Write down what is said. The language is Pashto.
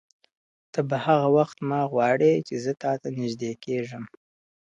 ته به هغه وخت ما غواړې چي زه تاته نیژدې کېږم.